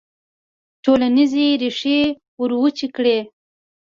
ټولنیزې ریښې وروچې کړي.